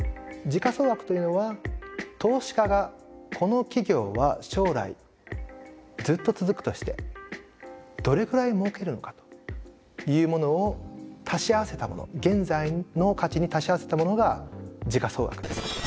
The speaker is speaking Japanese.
時価総額というのは投資家がこの企業は将来ずっと続くとしてどれぐらいもうけるのかというものを足し合わせたもの現在の価値に足し合わせたものが時価総額です。